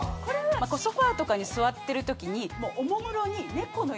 これはソファとかに座ってる時におもむろに。